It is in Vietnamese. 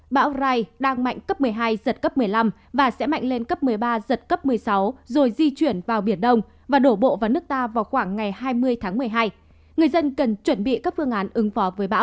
bão rai áp sát biển đông với cấp độ mạnh